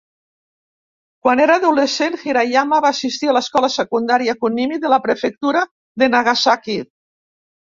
Quan era adolescent, Hirayama va assistir a l'escola secundària Kunimi de la prefectura de Nagasaki.